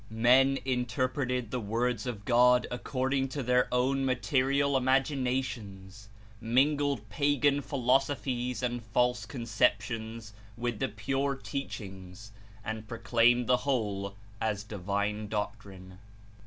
Men Interpreted the Words of God according to their own material imaginations, mingled pagan philosophies and false conceptions with the pure teachings, and proclaimed the whole as divine doctrine.